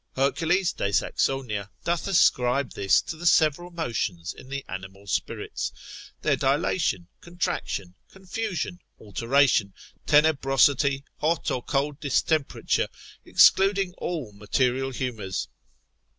Herc. de Saxonia doth ascribe this to the several motions in the animal spirits, their dilation, contraction, confusion, alteration, tenebrosity, hot or cold distemperature, excluding all material humours.